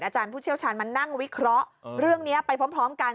อาจารย์ผู้เชี่ยวชาญมานั่งวิเคราะห์เรื่องนี้ไปพร้อมกัน